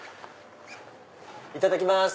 いただきます。